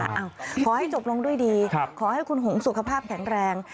ขอให้จบลงด้วยดีขอให้คุณหงสุขภาพแข็งแรง